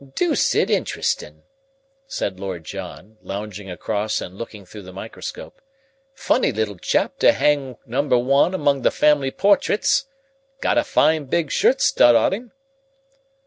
"Dooced interestin'!" said Lord John, lounging across and looking through the microscope. "Funny little chap to hang number one among the family portraits. Got a fine big shirt stud on him!"